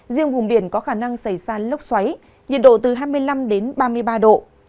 riêng vùng biển có khả năng xảy ra lốc xoáy nhiệt độ từ hai mươi năm đến ba mươi ba độ